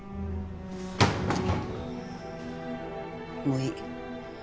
もういい。